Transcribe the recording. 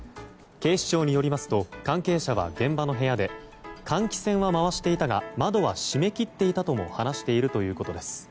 警視庁によりますと関係者は、現場の部屋で換気扇は回していたが窓は閉め切っていたとも話しているということです。